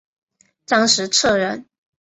张时彻人。